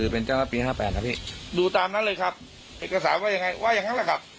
เป็นเจ้าคณะปี๘๐นะครับพี่ดูตามนั้นเลยครับเอกสารว่าอย่างไรว่ายังนะแหละครับ